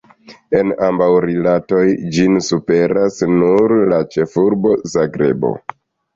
En ambaŭ rilatoj ĝin superas nur la ĉefurbo Zagrebo.